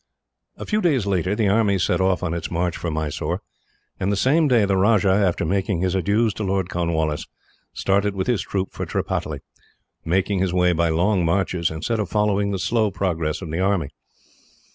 A few days later, the army set off on its march from Mysore, and the same day the Rajah, after making his adieus to Lord Cornwallis, started with his troop for Tripataly, making his way by long marches, instead of following the slow progress of the army.